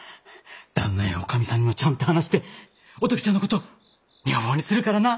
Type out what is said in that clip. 旦那やおかみさんにもちゃんと話してお時ちゃんの事女房にするからな！